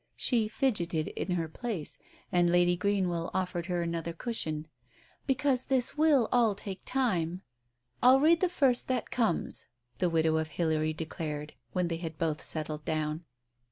She fidgeted in her place, and Lady Greenwell offered her another cushion — "because this will all take time." "I'll read the first that comes," the widow of Hilary declared, when they had both settled down.